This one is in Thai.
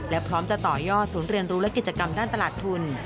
และพร้อมจะต่อยอดศูนย์เรียนรู้และกิจกรรมด้านตลาดทุน